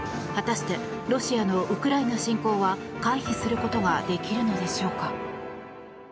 果たしてロシアのウクライナ侵攻は回避することができるのでしょうか。